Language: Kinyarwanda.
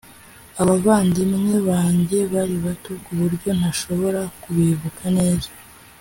Abavandimwe banjye bari bato ku buryo ntashobora kubibuka neza